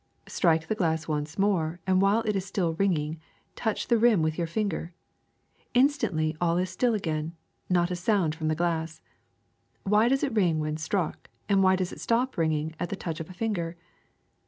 Strike the glass once more and while it is still ringing touch the rim with your fin ger. Instantly all is still again; not a sound from the glass. Why does it ring when struck, and why does it stop ringing at the touch of a finger?